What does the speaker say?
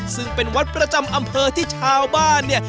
ซึ่งเป็นวัดประจำอำเภอที่ชาวบ้านเนี่ย